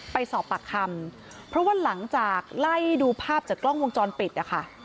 ไปสอบปากคำเพราะว่าหลังจากไล่ดูภาพจากกล้องวงจรปิดนะคะ